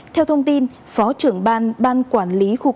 theo thông tin phó trưởng ban quản lý khu công an